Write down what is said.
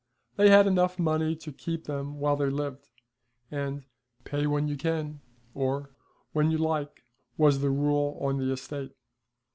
They had enough money to keep them while they lived; and 'pay when you can,' or 'when you like,' was the rule on the estate.